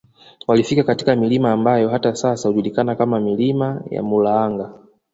walifika katika milima ambayo hata sasa hujulikana kama milima ya Mulaanga